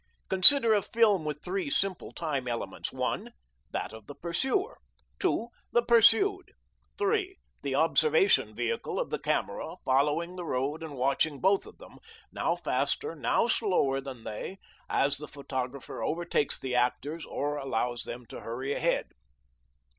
Consider a film with three simple time elements: (1) that of the pursuer, (2) the pursued, (3) the observation vehicle of the camera following the road and watching both of them, now faster, now slower than they, as the photographer overtakes the actors or allows them to hurry ahead.